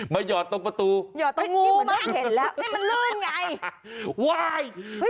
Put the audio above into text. มาหยอดตรงประตูเนี่ยมันเลิกไงงูบ้าง